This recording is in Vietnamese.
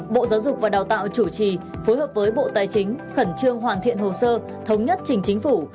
bộ giáo dục và đào tạo chủ trì phối hợp với bộ tài chính khẩn trương hoàn thiện hồ sơ thống nhất trình chính phủ